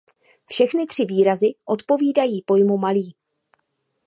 Všechny tři výrazy odpovídají pojmu "malý".